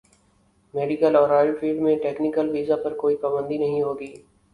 medical اور oil field میں technical visa پر کوئی پابندی نہیں ہوگی